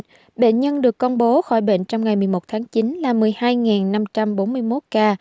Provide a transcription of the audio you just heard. bệnh nhân được công bố khỏi bệnh trong ngày một mươi một tháng chín là một mươi hai năm trăm bốn mươi một ca